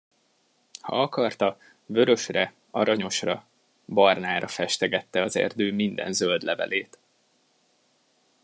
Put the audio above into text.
Ha akarta, vörösre, aranyosra, barnára festegette az erdő minden zöld levelét.